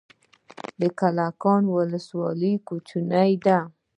د کلکان ولسوالۍ کوچنۍ ده